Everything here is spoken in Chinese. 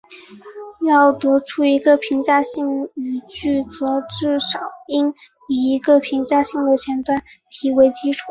要得出一个评价性语句则至少应以一个评价性的前提为基础。